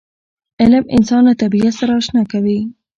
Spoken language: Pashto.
علم انسان له طبیعت سره اشنا کوي.